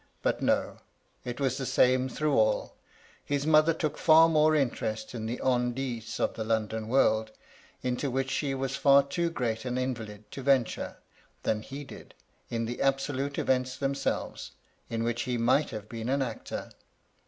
But no ! it was the same through all His mother took far more interest in the on dits of the London world, into which she was far too great an invalid to venture, than he did in the absolute events themselves, in which he might have been an actor.